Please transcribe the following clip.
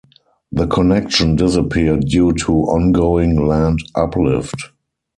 The connection disappeared due to ongoing land uplift.